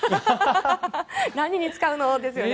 何に使うの？ですよね。